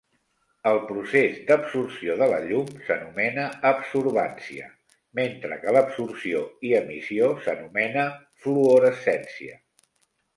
El procés d'absorció de la llum s'anomena absorbància, mentre que l'absorció i emissió s'anomena fluorescència.